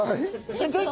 すギョい